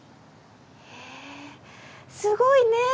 へえすごいねぇ！